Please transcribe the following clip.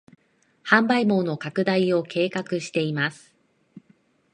販売網の拡大を計画しています